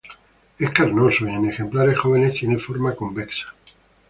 Es carnoso, y en ejemplares jóvenes tiene forma convexa.